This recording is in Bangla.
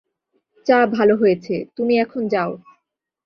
চা ভালো হয়েছে, তুমি এখন যাও।